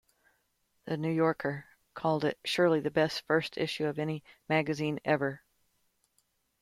"The New Yorker" called it "surely the best first issue of any magazine ever.